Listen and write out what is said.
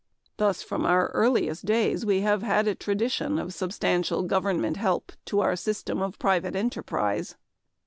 Thus, from our earliest days we have had a tradition of substantial government help to our system of private enterprise.